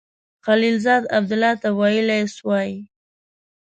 خلیلزاد عبدالله ته ویلای سوای.